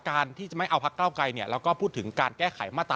การที่จะไม่เอาพักเก้าไกลแล้วก็พูดถึงการแก้ไขมาตรา